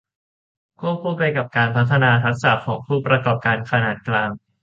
ควบคู่ไปกับการพัฒนาทักษะของผู้ประกอบการขนาดกลาง